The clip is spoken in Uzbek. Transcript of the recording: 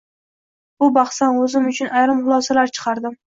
Bu bahsdan o’zim uchun ayrim xulosalar chiqardim: